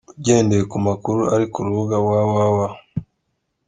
Ugendeye ku makuru ari ku rubuga www.